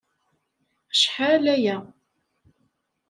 Acḥal aya.